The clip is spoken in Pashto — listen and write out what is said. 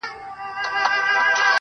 کلونه کيږي چي هغه پر دې کوڅې نه راځي,